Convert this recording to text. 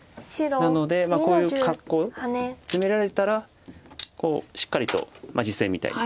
なのでこういう格好攻められたらしっかりと実戦みたいに。